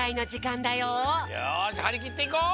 よしはりきっていこう！